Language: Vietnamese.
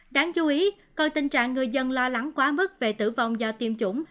đáng chú ý còn tình trạng người dân lo lắng quá mức về tử vong do tiêm chủng